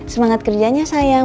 semangat kerjanya sayang